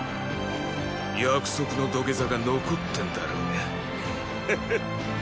約束の土下座が残ってんだろうがクク。